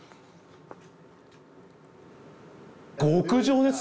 極上です。